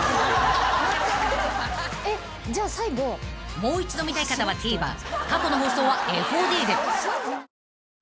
［もう一度見たい方はＴＶｅｒ過去の放送はＦＯＤで］